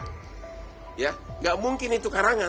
tidak mungkin itu karangan